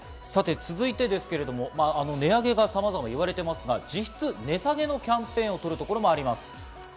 続いて、値上げがさまざま言われていますが、実質値下げのキャンペーンを取るところもあります。